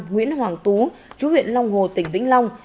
nguyễn hoàng tú chú huyện long hồ tỉnh vĩnh long